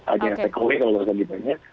ada yang take away kalau bisa gitu ya